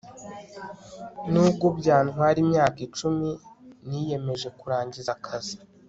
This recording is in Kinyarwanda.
nubwo byantwara imyaka icumi, niyemeje kurangiza akazi